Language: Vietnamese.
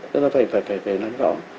nên là phải